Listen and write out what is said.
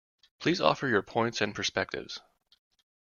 Please offer your points and perspectives.